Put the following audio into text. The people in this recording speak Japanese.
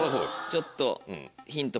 ちょっと。